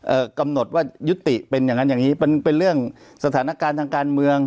กำหนดว่ายุติเป็นอย่างงั้นอย่างงี้เป็นเป็นเรื่องสถานการณ์ทางการเมือง